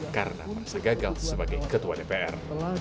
karena merasa gagal sebagai ketua dpr